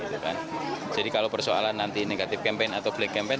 jadi kalau persoalan nanti negatif kampanye atau black campaign